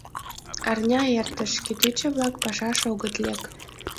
Арня эртыш, кӱтӱчӧ-влак пашаш огыт лек.